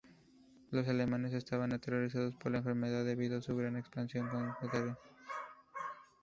Los alemanes estaban aterrorizados por la enfermedad debido a su gran expansión por contagio.